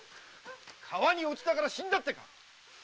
〔川に落ちたから死んだって？